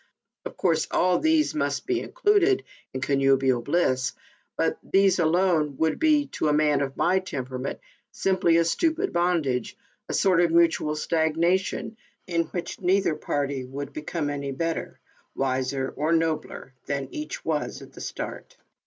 Of course, all these must be included in connubial bliss, but these alone would be, to a man of my tempera ment, simply a stupid bondage — a sort of mutual stagnation, in which neither party would become any better, wiser or nobler than each was at the start."